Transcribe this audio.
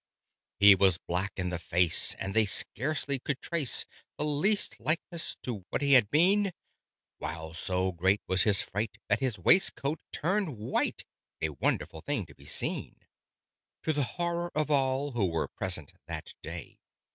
He was black in the face, and they scarcely could trace The least likeness to what he had been: While so great was his fright that his waistcoat turned white A wonderful thing to be seen! To the horror of all who were present that day.